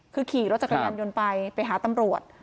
คือขี่รถจักรยานยนต์ไปไปหาตำรวจ